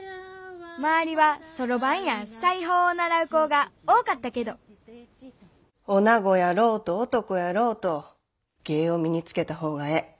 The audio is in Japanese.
周りはソロバンや裁縫を習う子が多かったけどおなごやろうと男やろうと芸を身につけた方がええ。